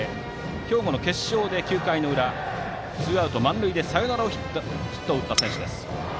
兵庫の決勝で９回の裏、ツーアウト満塁でサヨナラのヒットを打った選手。